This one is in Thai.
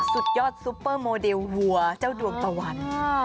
สุดยอดซุปเปอร์โมเดลวัวเจ้าดวงตะวัน